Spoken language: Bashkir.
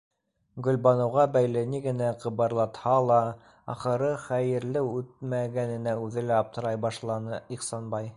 Гөлбаныуға бәйле ни генә ҡыбырлатһа ла, ахыры хәйерле үтмәгәненә үҙе лә аптырай башланы Ихсанбай.